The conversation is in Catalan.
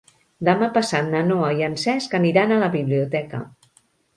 Demà passat na Noa i en Cesc aniran a la biblioteca.